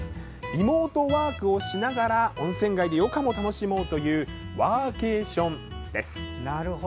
リモートワークをしながら温泉街で余暇も楽しもうというワーケーションです。